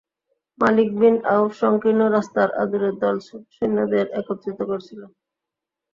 মালিক bin Awf সংকীর্ণ রাস্তার অদূরে দলছুট সৈন্যদের একত্রিত করছিল।